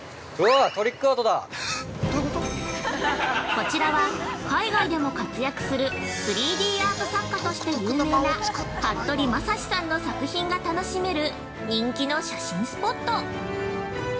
◆こちらは、海外でも活躍する３Ｄアート作家として有名な服部正志さんの作品が楽しめる人気の写真スポット。